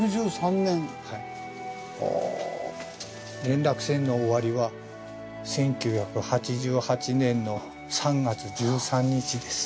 連絡船の終わりは１９８８年の３月１３日です。